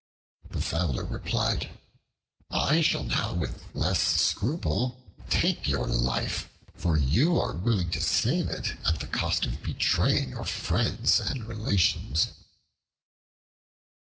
The Fowler replied, "I shall now with less scruple take your life, because you are willing to save it at the cost of betraying your friends and relations."